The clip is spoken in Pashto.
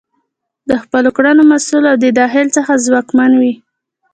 د خپلو کړنو مسؤل او د داخل څخه ځواکمن وي.